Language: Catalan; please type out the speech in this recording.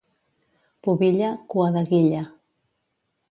Pubilla, cua de guilla.